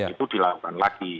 itu dilakukan lagi